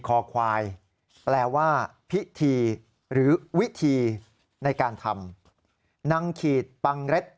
คอควายแปลว่าพิธีหรือวิธีในการทำนางขีดปังเล็ด